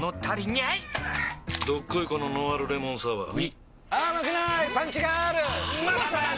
どっこいこのノンアルレモンサワーうぃまさに！